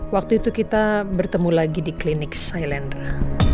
waktu itu kita bertemu lagi di klinik sailendra